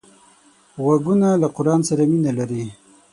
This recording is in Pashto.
غوږونه له قرآن سره مینه لري